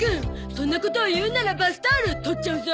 そんなことを言うならバスタオル取っちゃうゾ！